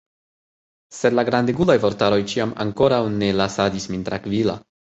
Sed la grandegulaj vortaroj ĉiam ankoraŭ ne lasadis min trankvila.